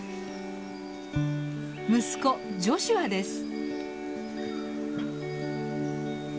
息子ジョシュアです。